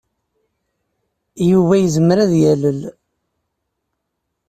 Yuba yezmer ad d-yalel.